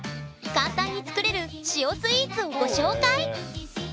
簡単に作れる「塩」スイーツをご紹介。